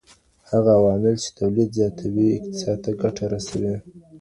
هغه عوامل چی توليد زياتوي اقتصاد ته ګټه رسوي.